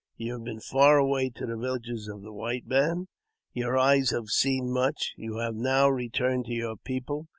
You have been far away to the villages of the white man; your eyes have seen much ; you have now returned to your people.